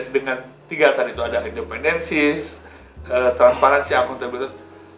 dengan tiga tadi itu ada independensis transparansi akuntabilitas